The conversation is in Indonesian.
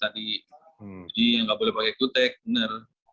jadi yang nggak boleh pakai kutek benar